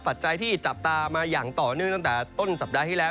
ปัจจัยที่จับตามาอย่างต่อเนื่องตั้งแต่ต้นสัปดาห์ที่แล้ว